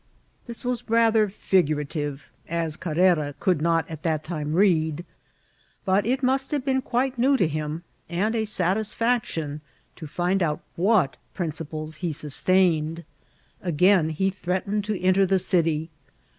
'' This was rather figurative, as Carrera could not at that time read; but it must have been quite new to him, and a satisfaction to find out what princi* pies he sustained. Again he threatened to ent^r the city.